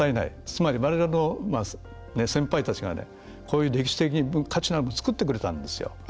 つまり、われわれの先輩たちがこういう歴史的価値のあるもの造ってくれたんですよ。